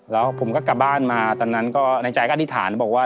แล้วผมก็กลับบ้านมาตอนนั้นก็ในใจก็อธิษฐานบอกว่า